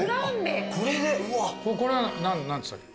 これが何つったっけ。